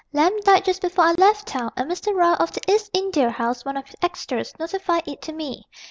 Lamb died just before I left town, and Mr. Ryle of the E. India House, one of his extors., notified it to me....